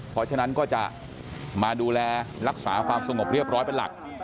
เพราะฉะนั้นก็จะมาดูแลรักษาความสงบเรียบร้อยเป็นหลัก